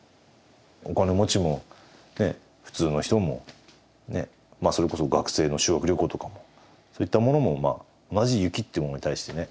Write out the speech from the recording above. お金持ちも普通の人もそれこそ学生の修学旅行とかもそういったものも同じ雪ってものに対してね